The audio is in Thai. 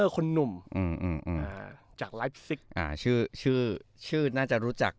คนหนุ่มอืมอืมอืมอ่าจากอ่าชื่อชื่อชื่อน่าจะรู้จัก